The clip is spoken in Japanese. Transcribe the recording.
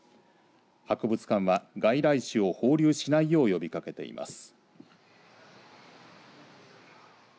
博物館は外来種を放流しないよう呼びかけています。